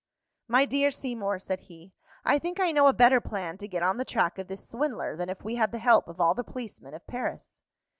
"My dear Seymour," said he, "I think I know a better plan to get on the track of this swindler than if we had the help of all the policemen of Paris."